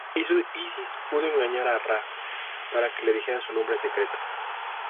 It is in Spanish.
Isis pudo engañar a Ra para que le dijera su nombre secreto.